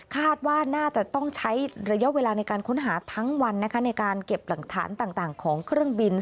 คาดว่าน่าจะต้องใช้ระยะเวลาในการค้นหาทั้งวันนะคะในการเก็บหลักฐานต่างของเครื่องบิน